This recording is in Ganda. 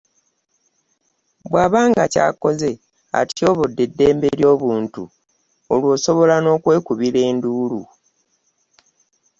Bwaba nga kyakoze atyobodde n’eddembe ly’obuntu olw’osobola n’okwekubira enduulu.